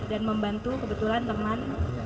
dan membantu kebetulan teman